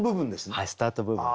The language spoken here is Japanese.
はいスタート部分の。